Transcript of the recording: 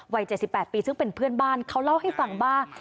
วัย๗๘ปีซึ่งเป็นเพื่อนบ้านเขาเล่าให้ฟังว่า